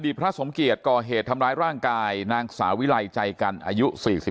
อดีตพระสมเกตก่อเหตุทำลายร่างกายนางสาวิลัยใจกันอายุ๔๕